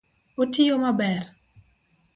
Otiyo maber?